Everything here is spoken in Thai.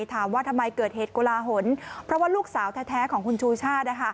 ถามว่าทำไมเกิดเหตุกุลาหลเพราะว่าลูกสาวแท้ของคุณชูชาติ